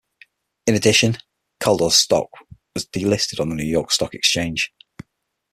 In addition, Caldor's stock was delisted on the New York Stock Exchange.